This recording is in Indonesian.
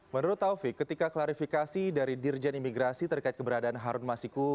menurut taufik ketika klarifikasi dari dirjen imigrasi terkait keberadaan harun masiku